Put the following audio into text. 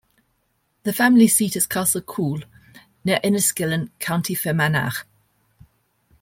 The family seat is Castle Coole, near Enniskillen, County Fermanagh.